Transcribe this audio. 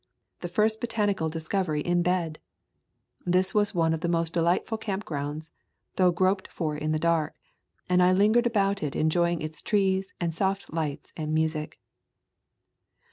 The first bo tanical discovery in bed! This was one of the most delightful camp grounds, though groped for in the dark, and I lingered about it enjoying its trees and soft lights and music.